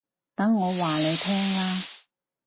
等我話你聽啦